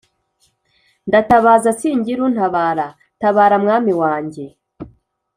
ndatabaza singira untabara tabara mwami wanjye